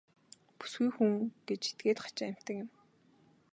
Бүсгүй хүн гэж этгээд хачин амьтан юм.